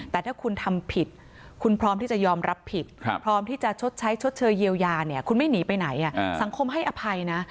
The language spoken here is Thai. แต่ถ้าคุณทำผิดคุณพร้อมที่จะยอมรับผิดพร้อมที่จะชดใช้ชดเชยเยียวยาเนี่ยคุณไม่หนีไปไหนสังคมให้อภัยนะ